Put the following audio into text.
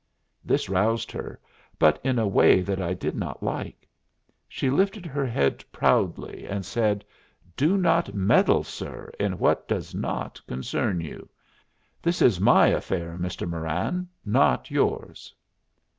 This roused her, but in a way that I did not like. She lifted her head proudly and said: "Do not meddle, sir, in what does not concern you. This is my affair, Mr. Moran, not yours."